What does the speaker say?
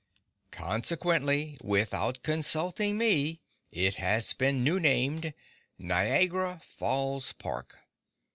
Consequently, without consulting me, it has been new named —NIAGARA FALLS PARK.